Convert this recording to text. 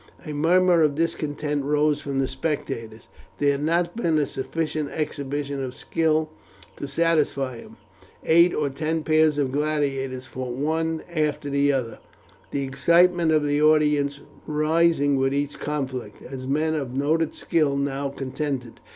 A murmur of discontent rose from the spectators, there had not been a sufficient exhibition of skill to satisfy them. Eight or ten pairs of gladiators fought one after the other, the excitement of the audience rising with each conflict, as men of noted skill now contended.